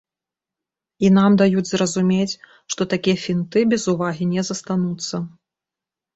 І нам даюць зразумець, што такія фінты без увагі не застануцца.